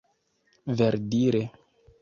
verdire